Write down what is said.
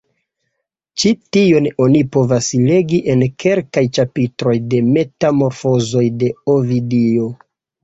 Ĉi tion oni povas legi en kelkaj ĉapitroj de Metamorfozoj de Ovidio.